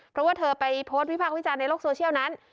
เพราะว่าเธอไปโพสต์วิพากษ์วิจารณ์ในโลกโซเชียลนั้น